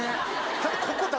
ただ。